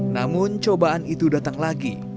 namun cobaan itu datang lagi